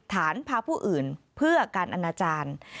ฐานพาผู้อื่นเพื่อการอนาจารย์